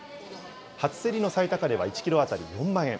初競りの最高値は１キロ当たり４万円。